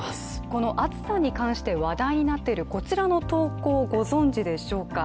この暑さに関して話題になっているこちらの投稿、ご存じでしょうか。